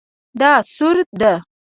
دا سور ده